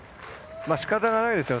しかたがないですよね。